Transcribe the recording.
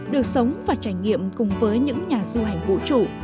được sống và trải nghiệm cùng với những nhà du hành vũ trụ